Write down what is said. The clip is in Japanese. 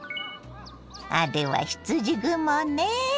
あれはひつじ雲ね。